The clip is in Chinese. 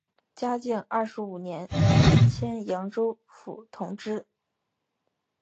嘉靖二十五年迁扬州府同知。